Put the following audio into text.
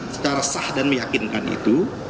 secara sah dan meyakinkan itu